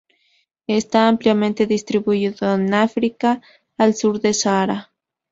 Está ampliamente distribuido en África al sur del Sahara.